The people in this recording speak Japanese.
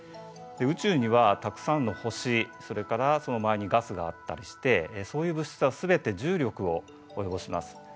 宇宙にはたくさんの星それからその周りにガスがあったりしてそういう物質はすべて重力を及ぼします。